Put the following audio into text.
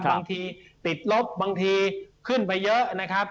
บางทีติดลบบางทีขึ้นไปเยอะนะครับ